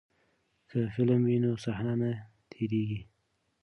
که فلم وي نو صحنه نه تیریږي.